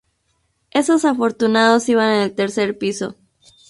Esos afortunados iban en el tercer piso.